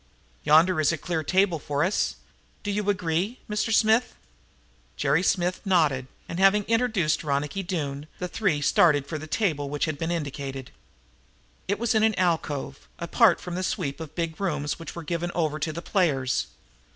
"Yonder is a clear table for us. Do you agree, Mr. Smith?" Jerry Smith nodded, and, having introduced Ronicky Doone, the three started for the table which had been indicated. It was in an alcove, apart from the sweep of big rooms which were given over to the players.